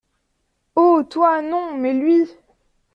Oh ! toi, non, mais lui !…